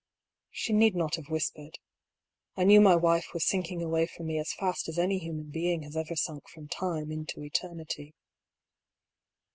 She need not have whispered. I knew my wife was sinking away from me as fast as any human being has ever sunk from time into eternity.